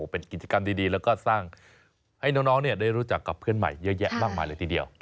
เป็นกิจกรรมดีแล้วก็สร้างให้น้องได้รู้จักกับเพื่อนใหม่เยอะแยะมากมายเลยทีเดียว